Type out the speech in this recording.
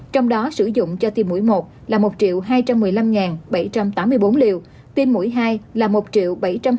trong đó sử dụng cho tiêm mũi một là một hai trăm một mươi năm bảy trăm tám mươi bốn liều tiêm mũi hai là một bảy trăm hai mươi năm một trăm hai mươi bốn liều